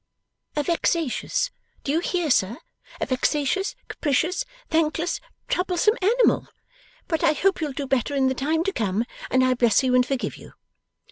'A vexatious (do you hear, sir?), a vexatious, capricious, thankless, troublesome, Animal; but I hope you'll do better in the time to come, and I bless you and forgive you!